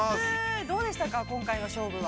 どうでしたか、今回の勝負は。